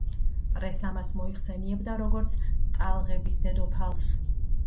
პრესა მას მოიხსენიებდა როგორც „ტალღების დედოფალს“.